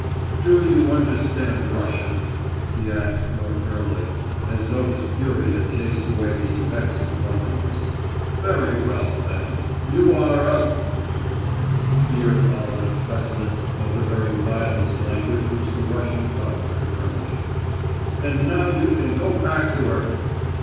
"Do you understand Russian?" he asked more firmly, as though his fury had chased away the effects of drunkenness. "Very well, then, you are a——!" (here followed a specimen of the very vilest language which the Russian tongue could furnish); "and now you can go back to her!"